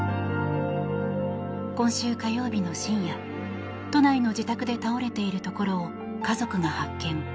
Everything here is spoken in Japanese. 今週火曜日の深夜都内の自宅で倒れているところを家族が発見。